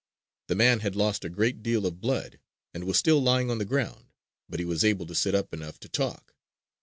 The man had lost a great deal of blood, and was still lying on the ground; but he was able to sit up enough to talk.